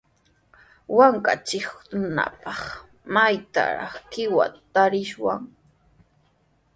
Waakanchikkunapaq, ¿maytrawraq qiwata tarishwan?